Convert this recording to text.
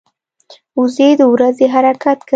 وزې د ورځي حرکت کوي